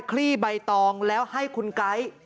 ลี่ใบตองแล้วให้คุณไก๊